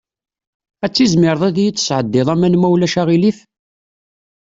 Ad tizmireḍ ad iyi-d-tesɛeddiḍ aman, ma ulac aɣilif?